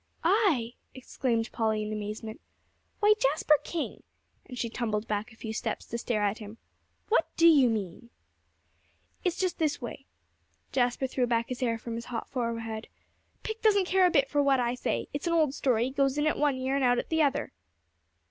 "I!" exclaimed Polly in amazement. "Why, Jasper King!" and she tumbled back a few steps to stare at him. "What do you mean?" "It's just this way." Jasper threw back his hair from his hot forehead. "Pick doesn't care a bit for what I say: it's an old story; goes in at one ear, and out at the other."